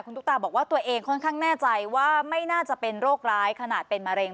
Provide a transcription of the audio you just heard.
ตุ๊กตาบอกว่าตัวเองค่อนข้างแน่ใจว่าไม่น่าจะเป็นโรคร้ายขนาดเป็นมะเร็ง